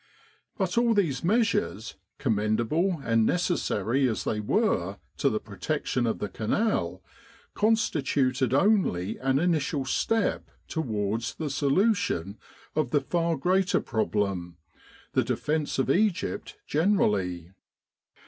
But all these measures, commendable and neces sary as they were to the protection of the Canal, con stituted only an initial step towards the solution of the far greater problem the defence of Egypt gener ally.